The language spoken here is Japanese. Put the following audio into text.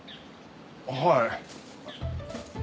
はい。